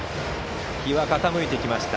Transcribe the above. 日は傾いてきました。